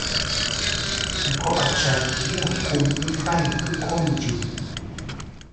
Nkò' achayn ghɨ akum ghɨ fayn kɨ kom ijɨm.